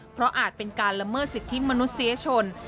เพราะอาจเป็นการละเมิดสิทธิมนุษยชน